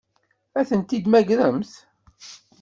Ad tent-id-temmagremt?